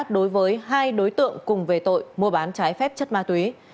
đối với hai đối tượng cùng về tội mua bán trái phép chất ma túy